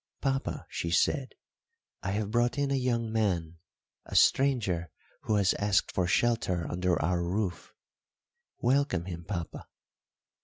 "Papa," she said, "I have brought in a young man a stranger who has asked for shelter under our roof. Welcome him, papa."